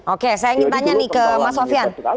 oke saya ingin tanya nih ke mas sofian